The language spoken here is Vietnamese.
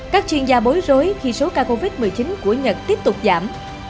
các chuyên gia bối rối khi số ca covid một mươi chín của nhật tiếp tục giảm